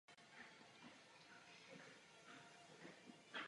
Členské státy ale mohou dosáhnout účinku, jenom když budou spolupracovat.